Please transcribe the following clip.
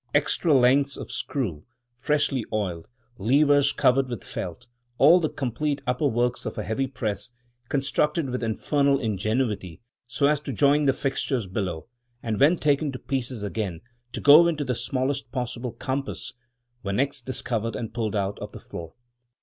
Extra lengths of screw, freshly oiled; levers covered with felt; all the complete upper works of a heavy press — constructed with infernal ingenuity so as to join the fixtures below, and when taken to pieces again, to go into the smallest possible compass — were next discovered and pulled out on the floor.